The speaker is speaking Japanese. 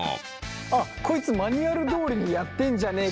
あっこいつマニュアルどおりにやってんじゃねえかな？